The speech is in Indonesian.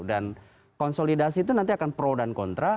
dan konsolidasi itu nanti akan pro dan kontra